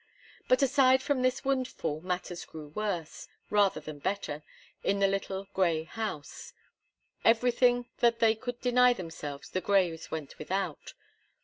But aside from this windfall matters grew worse, rather than better, in the little grey house. Everything that they could deny themselves the Greys went without.